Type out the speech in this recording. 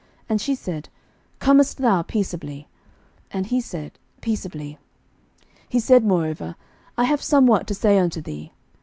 And she said, Comest thou peaceably? And he said, Peaceably. 11:002:014 He said moreover, I have somewhat to say unto thee.